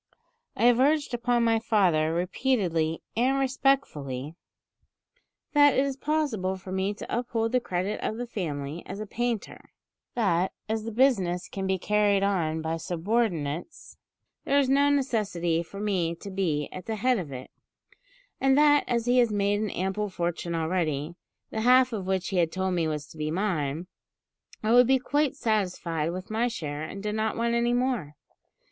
I have urged upon my father repeatedly and respectfully, that it is possible for me to uphold the credit of the family as a painter; that, as the business can be carried on by subordinates, there is no necessity for me to be at the head of it; and that, as he has made an ample fortune already, the half of which he had told me was to be mine, I would be quite satisfied with my share, and did not want any more.